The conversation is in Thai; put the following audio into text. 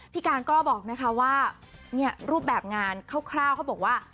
พี่การก็บอกนะคะว่ารูปแบบงานคร่าวเขาบอกว่า